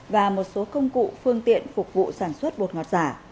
và một số công cụ phương tiện phục vụ sản xuất bột ngọt giả